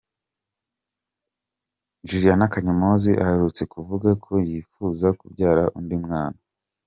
Juliana Kanyomozi aherutse kuvuga ko yifuza kubyara undi mwana.